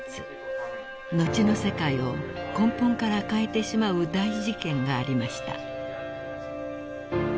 ［後の世界を根本から変えてしまう大事件がありました］